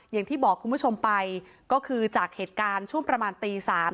อย่างที่บอกคุณผู้ชมไปก็คือจากเหตุการณ์ช่วงประมาณตี๓